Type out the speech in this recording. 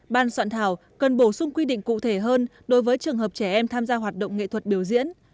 ban soạn thảo cần bổ sung quy định cụ thể hơn đối với trường hợp trẻ em tham gia hoạt động nghệ thuật biểu diễn